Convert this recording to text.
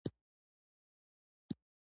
زه د رسنیو د پرمختګ ملاتړ کوم.